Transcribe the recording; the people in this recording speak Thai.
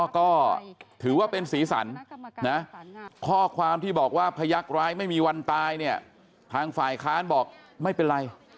ก็ถือว่าเป็นสีสันนะข้อความที่บอกว่าพยักษ์ร้ายไม่มีวันตายเนี่ยทางฝ่ายค้านบอกไม่เป็นไร